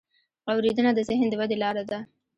اورېدنه د ذهن د ودې لاره ده.